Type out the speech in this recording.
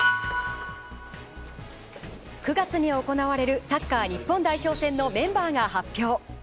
９月に行われるサッカー日本代表戦のメンバーが発表。